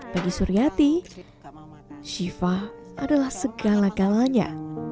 bagi suryati shiva adalah segala galanya